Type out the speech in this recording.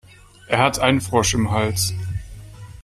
Er hat einen Frosch im Hals.